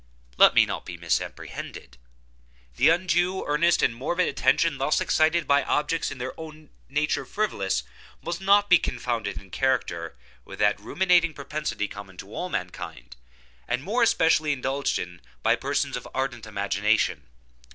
Yet let me not be misapprehended. The undue, earnest, and morbid attention thus excited by objects in their own nature frivolous, must not be confounded in character with that ruminating propensity common to all mankind, and more especially indulged in by persons of ardent imagination.